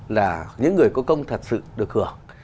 là những người có công thật sự được hưởng